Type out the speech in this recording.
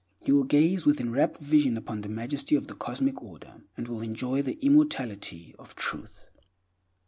He will gaze with enrapt vision upon the majesty of the Cosmic Order, and will enjoy the immortality of Truth.